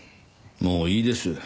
もういいです。